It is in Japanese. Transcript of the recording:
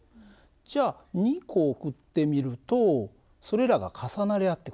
じゃあ２個送ってみるとそれらが重なり合ってくる。